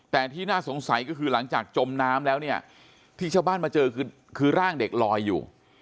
แต่ที่น่าสงสัยก็คือหลังจากจมน้ำแล้วเนี่ยที่ชาวบ้านมาเจอคือร่างเด็กลอยอยู่